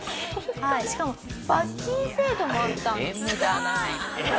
しかも罰金制度もあった。